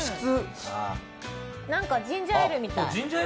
なんかジンジャーエールみたい。